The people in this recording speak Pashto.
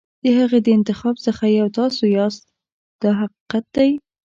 د هغې د انتخاب څخه یو تاسو یاست دا حقیقت دی.